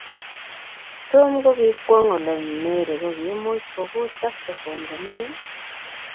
Tom kokikwong' ole mary kokiimuch kokut saxophone komie.